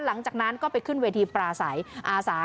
หลังจากนั้นก็ไปขึ้นเวทีปราศัยอาสา